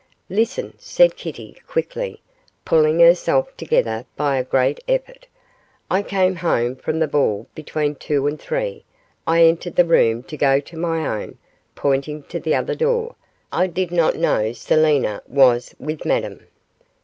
'Listen,' said Kitty, quickly, pulling herself together by a great effort. 'I came home from the ball between two and three, I entered the room to go to my own,' pointing to the other door; 'I did not know Selina was with Madame.